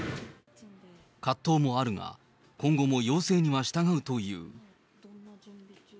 葛藤もあるが、今後も要請には従うという。